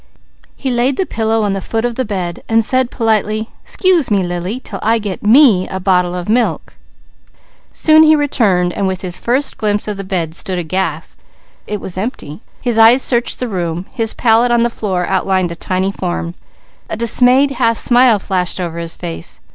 He laid the pillow on the foot of the bed, saying politely: "'Scuse me, Lily, till I get me a bottle of milk." Soon he returned and with his first glimpse of the bed stood aghast. It was empty. His eyes searched the room. His pallet on the floor outlined a tiny form. A dismayed half smile flashed over his face.